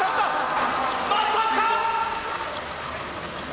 まさか。